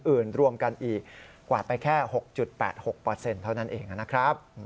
รวมกันอีกกวาดไปแค่๖๘๖เท่านั้นเองนะครับ